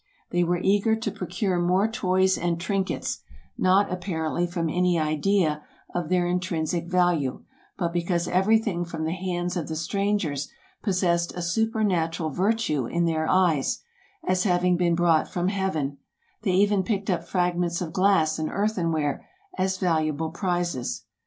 They were eager to procure more toys and trinkets, not, apparently, from any idea of their intrinsic value, but be cause everything from the hands of the strangers possessed a supernatural virtue in their eyes, as having been brought from heaven; they even picked up fragments of glass and earthenware as valuable prizes.